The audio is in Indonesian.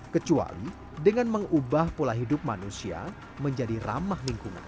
kecuali dengan mengubah pola hidup manusia menjadi ramah lingkungan